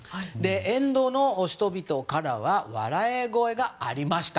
沿道の人々からは笑い声がありました。